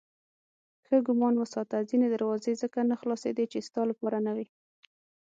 ښه ګمان وساته ځینې دروازې ځکه نه خلاصېدې چې ستا لپاره نه وې.